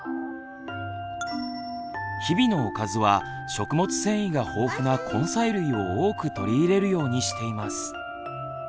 日々のおかずは食物繊維が豊富な根菜類を多く取り入れるようにしています。